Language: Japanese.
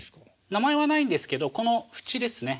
名前はないんですけどこの縁ですね